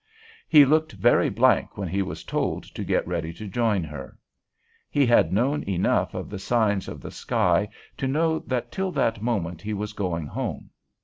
He looked very blank when he was told to get ready to join her. He had known enough of the signs of the sky to know that till that moment he was going "home."